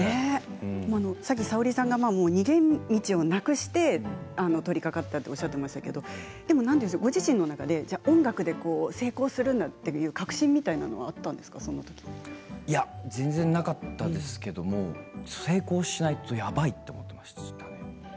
さっきＳａｏｒｉさんが逃げ道をなくして取りかかったとおっしゃってましたがご自身の中で音楽で成功するんだという確信みたいなものは全然なかったですけど成功しないとやばいと思ってましたね。